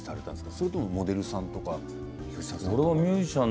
それともモデルさんとかですか。